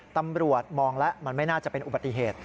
ตำรวจมองแล้วมันไม่น่าจะเป็นอุบัติเหตุ